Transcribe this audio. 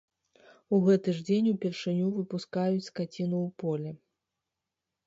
У гэты ж дзень упершыню выпускаюць скаціну ў поле.